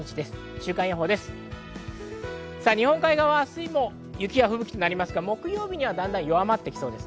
週間予報、日本海側は明日も雪や吹雪となりますが、木曜日には弱まってきそうです。